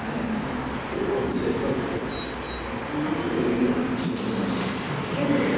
いやすんません何だか。